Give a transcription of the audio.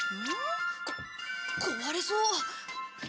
こ壊れそう。